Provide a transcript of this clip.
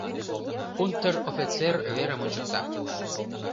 Унтер-офицер верым ончыкта.